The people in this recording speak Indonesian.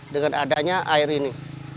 dengan adanya air ini